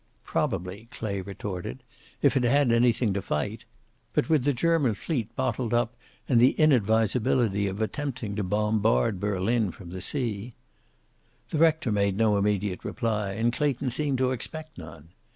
"Probably," Clay retorted. "If it had anything to fight! But with the German fleet bottled up, and the inadvisability of attempting to bombard Berlin from the sea " The rector made no immediate reply, and Clayton seemed to expect none.